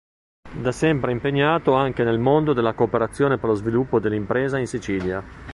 Da sempre impegnato anche nel mondo della cooperazione per lo sviluppo dell'impresa in Sicilia.